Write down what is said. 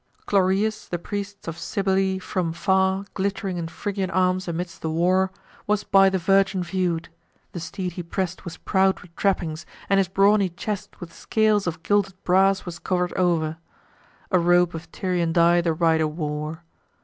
Chloreus, the priest of Cybele, from far, Glitt'ring in Phrygian arms amidst the war, Was by the virgin view'd. The steed he press'd Was proud with trappings, and his brawny chest With scales of gilded brass was cover'd o'er; A robe of Tyrian dye the rider wore.